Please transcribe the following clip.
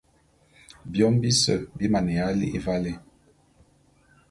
Biôm bise bi maneya li'i valé.